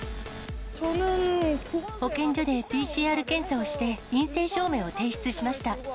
保健所でＰＣＲ検査をして、陰性証明を提出しました。